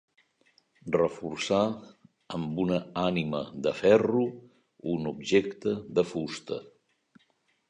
Reforçar amb una ànima de ferro un objecte de fusta.